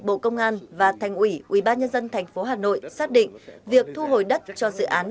bộ công an và thành ủy ubnd tp hà nội xác định việc thu hồi đất cho dự án